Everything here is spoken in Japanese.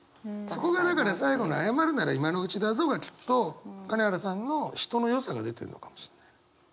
そこがだから最後の「謝るなら今のうちだぞ」がきっと金原さんの人のよさが出てるのかもしんない。